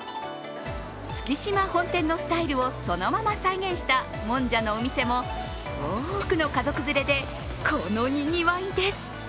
月島本店のスタイルをそのまま再現したもんじゃのお店も多くの家族連れでこのにぎわいです。